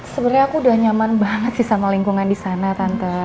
sebenernya aku udah nyaman banget sih sama lingkungan disana tante